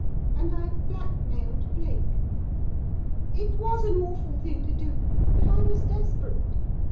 And I blackmailed Blake! It was an awful thing to do but I was desperate.